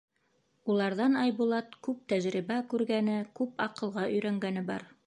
Уларҙан Айбулат күп тәжрибә күргәне, күп аҡылға өйрәнгәне бар.